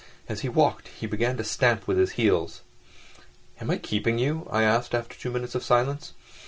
As he walked he began to stamp with his heels. "Am I keeping you?" I asked, after two minutes of silence.